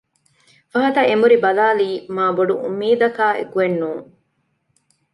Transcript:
ފަހަތަށް އެނބުރި ބަލާލީ މާ ބޮޑު އުއްމީދަކާ އެކުއެއް ނޫން